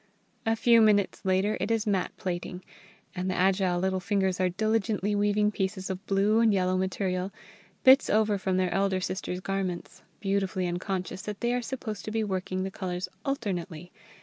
A few minutes later it is mat plaiting; and the agile little fingers are diligently weaving pieces of blue and yellow material, bits over from their elder sisters' garments, beautifully unconscious that they are supposed to be working the colours alternately.